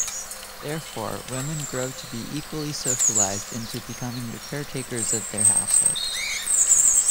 Therefore, women grow to be equally socialised into becoming the caretakers of their households.